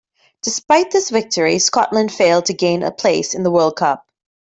Despite this victory, Scotland failed to gain a place in the World Cup.